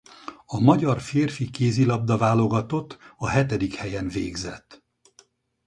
A magyar férfi kézilabda-válogatott a hetedik helyen végzett.